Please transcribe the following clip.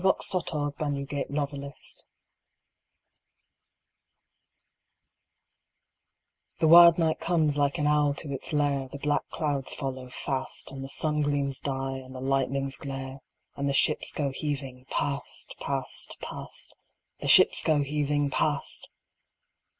God Help Our Men at Sea The wild night comes like an owl to its lair, The black clouds follow fast, And the sun gleams die, and the lightnings glare, And the ships go heaving past, past, past The ships go heaving past!